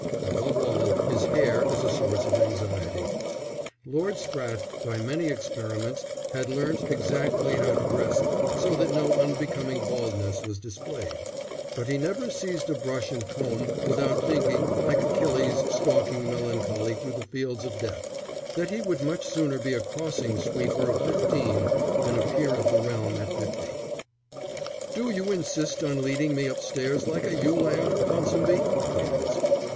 Above all, his hair is a source of anxiety. Lord Spratte by many experiments had learnt exactly how to dress it so that no unbecoming baldness was displayed; but he never seized a brush and comb without thinking, like Achilles stalking melancholy through the fields of death, that he would much sooner be a crossing sweeper of fifteen than a peer of the realm at fifty. "Do you insist on leading me upstairs like a ewe lamb, Ponsonby?" he asked.